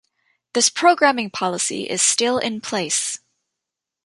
This programming policy is still in place.